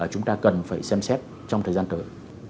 chúng ta cần phải xem xét trong thời gian tới